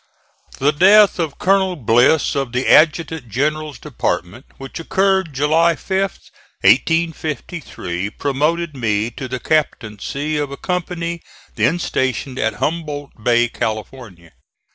The death of Colonel Bliss, of the Adjutant General's department, which occurred July 5th, 1853, promoted me to the captaincy of a company then stationed at Humboldt Bay, California.